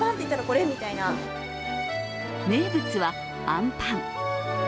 名物は、あんぱん。